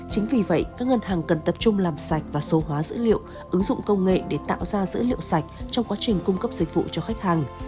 chính vì vậy các ngân hàng cần tập trung làm sạch và số hóa dữ liệu ứng dụng công nghệ để tạo ra dữ liệu sạch trong quá trình cung cấp dịch vụ cho khách hàng